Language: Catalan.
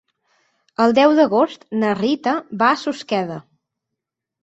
El deu d'agost na Rita va a Susqueda.